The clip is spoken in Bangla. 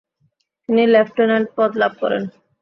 তিনি লেফটেন্যান্ট পদ লাভ করেন।